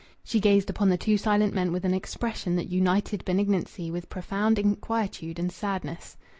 She gazed upon the two silent men with an expression that united benignancy with profound inquietude and sadness.